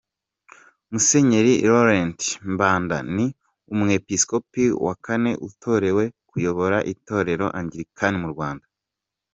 Musenyeri Laurent Mbanda ni Umwepisikopi wa Kane utorewe kuyobora Itorero Angilikani mu Rwanda.